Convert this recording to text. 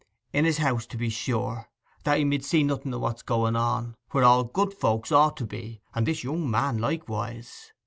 'In his house, to be sure, that he mid see nothing of what's going on—where all good folks ought to be, and this young man likewise.